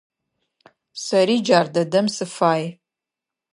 Сэри джар дэдэм сыфай.